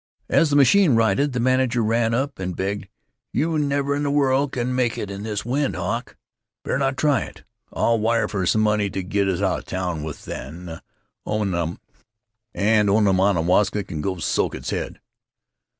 As the machine righted, the manager ran up and begged: "You never in the world can make it in this wind, Hawk. Better not try it. I'll wire for some money to get out of town with, and Onamwaska can go soak its head."